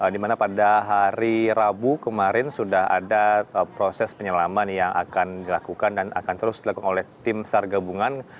di mana pada hari rabu kemarin sudah ada proses penyelaman yang akan dilakukan dan akan terus dilakukan oleh tim sar gabungan